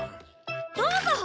どうぞ！